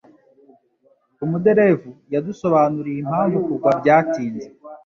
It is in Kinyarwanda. Umuderevu yadusobanuriye impamvu kugwa byatinze.